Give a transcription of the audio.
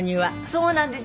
そうなんです。